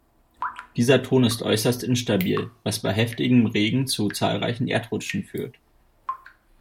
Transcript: Dieser Ton ist äußerst instabil, was bei heftigem Regen zu zahlreichen Erdrutschen führt.